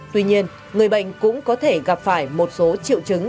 tuy nhiên người bệnh cũng có thể gặp phải một số triệu chứng